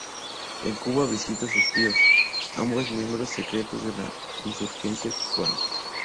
En Cuba visita a sus tíos, ambos miembros secretos de la insurgencia cubana.